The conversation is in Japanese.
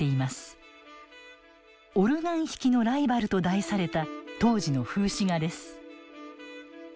「オルガン弾きのライバル」と題された当時の風刺画です。